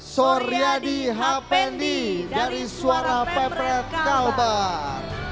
soryadi hapendi dari suara pemret kalbar